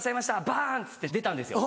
バンっつって出たんですよ。